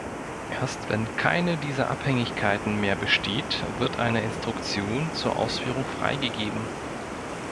Erst wenn keine dieser Abhängigkeiten mehr besteht wird eine Instruktion zur Ausführung freigegeben.